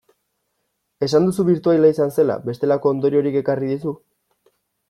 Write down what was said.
Esan duzu birtuala izan zela, bestelako ondoriorik ekarri dizu?